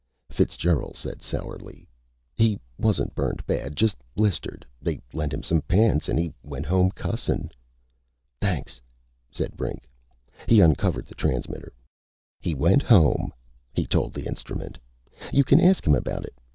Fitzgerald said sourly: "He wasn't burned bad. Just blistered. They lent him some pants and he went home cussing." "Thanks," said Brink. He uncovered the transmitter. "He went home," he told the instrument. "You can ask him about it.